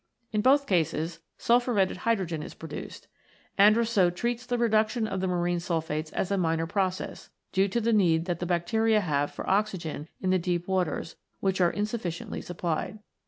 In both cases, sulphuretted hydro gen is produced. Andrussow treats the reduction of the marine sulphates as a minor process, due to the need that the bacteria have for oxygen in the deep waters, which are insufficiently supplied.